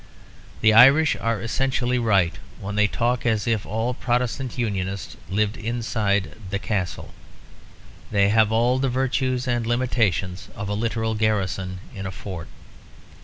The Irish are essentially right when they talk as if all Protestant Unionists lived inside "The Castle." They have all the virtues and limitations of a literal garrison in a fort.